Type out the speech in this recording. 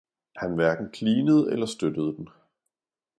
han hverken klinede eller støttede den.